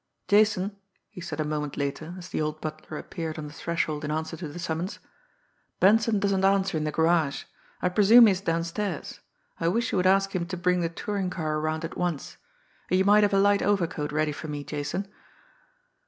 "Jason," he said a moment later, as the old butler appeared on the threshold in answer to the summons, "Benson doesn't answer in the garage. I presume he is downstairs. I wish you would ask him to bring the touring car around at once. And you might have a light overcoat ready for me Jason."